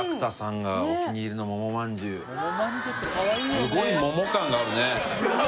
すごい桃感があるね